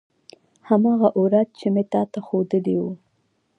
هماغه اوراد چې مې تا ته خودلي وو.